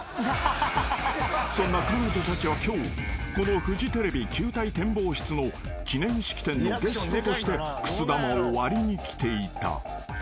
［そんな彼女たちは今日このフジテレビ球体展望室の記念式典のゲストとしてくす玉を割りに来ていた］